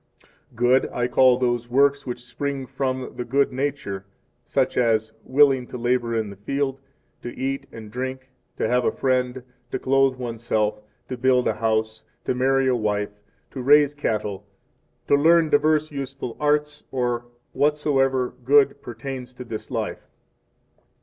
"Good" I call those works which spring from the good in nature, such as, willing to labor in the field, to eat and drink, to have a friend, to clothe oneself, to build a house, to marry a wife, to raise cattle, to learn diverse useful arts, or whatsoever good 6 pertains to this life.